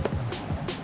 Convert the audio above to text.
sampai jumpa lagi